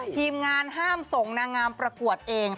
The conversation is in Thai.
ทีมงานห้ามส่งนางงามประกวดเอง